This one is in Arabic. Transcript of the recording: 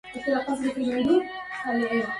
وداع بنبح الكلب يدعو ودونه